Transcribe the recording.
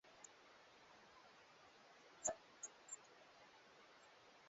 Tofauti kabisa na taarifa hii kueleza kuwa West Side Boys wamekubali kuweka silaha chini